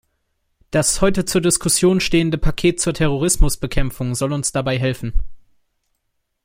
Das heute zur Diskussion stehende Paket zur Terrorismusbekämpfung soll uns dabei helfen.